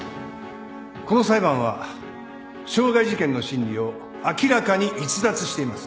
この裁判は傷害事件の審理を明らかに逸脱しています。